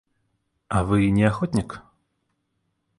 А вы не охотник?